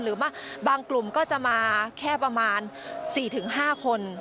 บางกลุ่มก็จะมาแค่ประมาณ๔๕คน